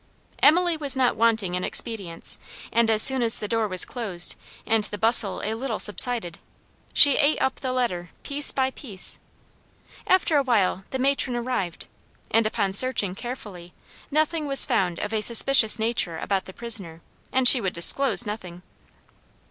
Emily was not wanting in expedients, and as soon as the door was closed and the bustle a little subsided, she ate up the letter, piece by piece. After a while the matron arrived, and upon searching carefully, nothing was found of a suspicious nature about the prisoner, and she would disclose nothing.